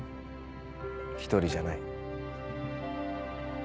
一人じゃない。